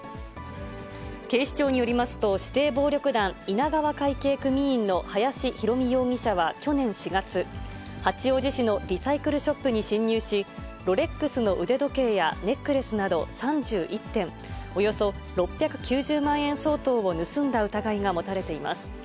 警視庁によりますと、指定暴力団稲川会系組員の林弘美容疑者は去年４月、八王子市のリサイクルショップに侵入し、ロレックスの腕時計やネックレスなど３１点、およそ６９０万円相当を盗んだ疑いが持たれています。